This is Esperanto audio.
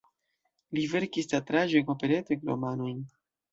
Li verkis teatraĵojn, operetojn, romanojn.